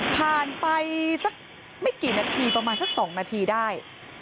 ผ่านไปสักไม่กี่นาทีประมาณสัก๒นาทีได้